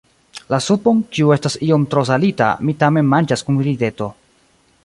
La supon, kiu estas iom tro salita, mi tamen manĝas kun rideto.